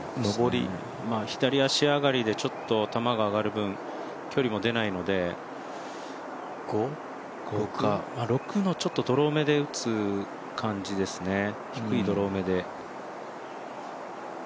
左足上がりでちょっと球が上がる分距離も出ないので、５か、６のちょっとドローめで打つ感じですかね、低いドロー目で。